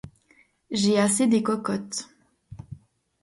J'ai assez des cocottes.